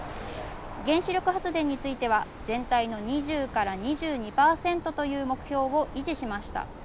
原子力発電については全体の２０から２２％という目標を維持しました。